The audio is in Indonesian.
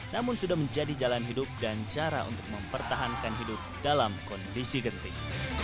namun sudah menjadi jalan hidup dan cara untuk mempertahankan hidup dalam kondisi genting